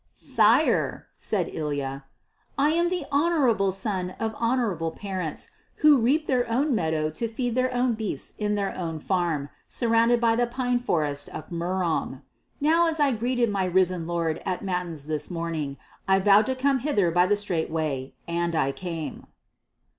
"Sire," said Ilya, "I am the honourable son of honourable parents who reap their own meadow to feed their own beasts in their own farm, surrounded by the pine forest of Murom. Now as I greeted my Risen Lord at matins this morning, I vowed to come hither by the straight way, and I came."